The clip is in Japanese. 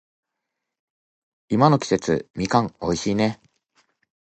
今の季節、みかん美味しいね。